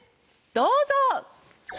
どうぞ！